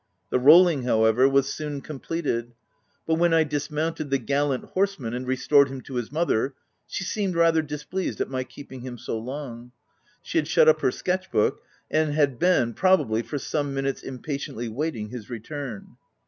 The rolling, however, was soon completed ; but when I dismounted the gallant horseman, and restored him to his mother, she seemed rather displeased at my keeping him so long. She 102 THE TENANT had shut up her sketch book, and been, pro bably for some minutes, impatiently waiting his return.